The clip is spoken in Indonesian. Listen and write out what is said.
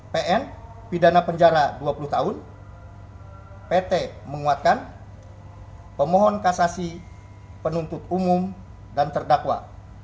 pn pidana penjara dua puluh tahun pt menguatkan pemohon kasasi penuntut umum dan terdakwa